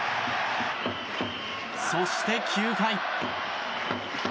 そして９回。